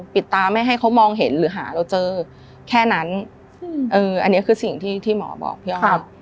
ปิดตาไม่ให้เขามองเห็นหรือหาเราเจอแค่นั้นอันนี้คือสิ่งที่หมอบอกพี่อ้อย